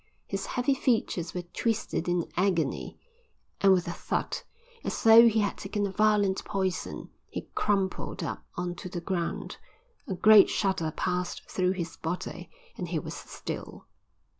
His heavy features were twisted in agony, and with a thud, as though he had taken a violent poison, he crumpled up on to the ground. A great shudder passed through his body and he was still.